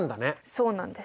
そうなんです。